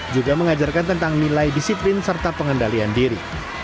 juga mengajarkan tentang nilai disiplin serta pengendalian diri